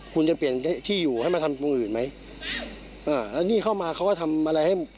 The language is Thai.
คุณจะเปลี่ยนที่อยู่ให้มาทำตรงอื่นไหมอ่าแล้วนี่เข้ามาเขาก็ทำอะไรให้